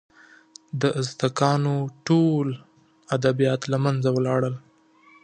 د ازتکانو ټول ادبیات له منځه ولاړل.